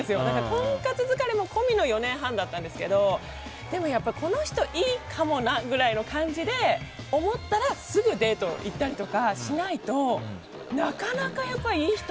婚活疲れも込みの４年半だったんですけどでも、やっぱりこの人いいかもなぐらいの感じで思ったらすぐデート行ったりとかしないとなかなかいい人。